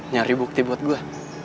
nyari bukti buat gue